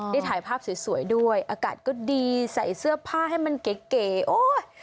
ได้ถ่ายภาพสวยด้วยอากาศก็ดีใส่เสื้อผ้าให้มันเก๋โอ๊ย